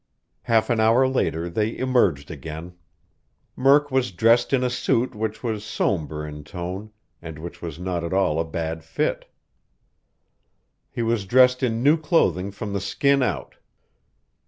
Half an hour later they emerged again. Murk was dressed in a suit which was somber in tone, and which was not at all a bad fit. He was dressed in new clothing from the skin out.